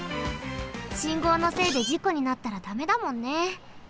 信号のせいでじこになったらダメだもんね。